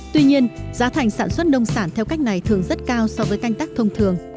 tuy nhiên giá thành sản xuất nông sản theo cách này thường rất cao so với canh tác thông thường